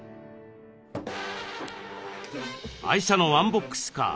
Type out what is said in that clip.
愛車のワンボックスカー